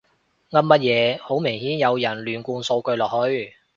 噏乜嘢，好明顯有人亂灌數據落去